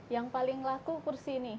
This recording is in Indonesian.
yang paling laku kursi nih